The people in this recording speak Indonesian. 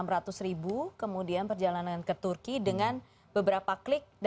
rp enam ratus ribu kemudian perjalanan ke turki dengan beberapa klik